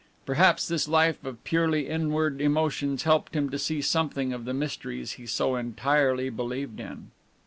Perhaps this life of purely inward emotions helped him to see something of the mysteries he so entirely believed in!